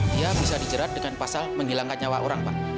dia bisa dijerat dengan pasal menghilangkan nyawa orang pak